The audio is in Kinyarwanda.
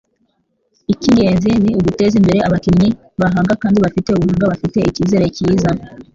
icy'ingenzi ni uguteza imbere abakinnyi bahanga kandi bafite ubuhanga bafite ikizere cyiza.”